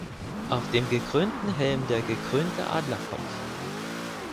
Auf dem gekrönten Helm der gekrönte Adlerkopf.